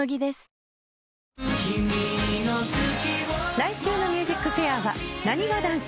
来週の『ＭＵＳＩＣＦＡＩＲ』はなにわ男子。